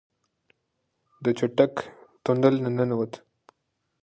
دی چټک تونل ته ننوت.